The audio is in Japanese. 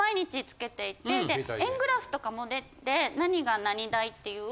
円グラフとかも出て何が何代っていう。